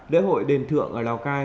lễ hội đền thượng ở lào cai